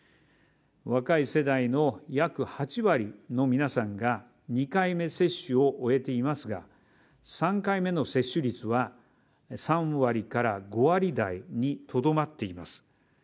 若い世代の約８割の皆さんが２回目接種を終えていますが、３回目の接種率は３割から５割台にとどまっています。